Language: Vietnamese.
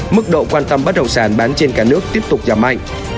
mức độ quan tâm bất động sản bán trên cả nước tiếp tục giảm mạnh